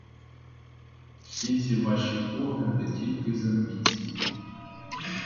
Всі ці ваші погляди тільки з амбіції.